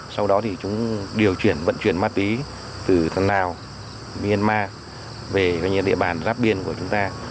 sau đó thì chúng điều chuyển vận chuyển ma túy từ tháng nào myanmar về địa bàn giáp biên của chúng ta